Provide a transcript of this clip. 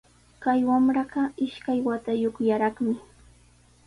Kay wamraqa ishkay watayuqllaraqmi